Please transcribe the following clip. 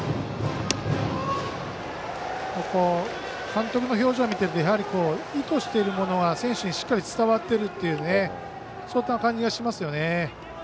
監督の表情を見てると意図しているものが選手にしっかり伝わっている感じがしますよね。